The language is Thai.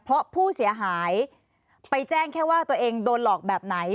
เพราะผู้เสียหายไปแจ้งแค่ว่าตัวเองโดนหลอกแบบไหน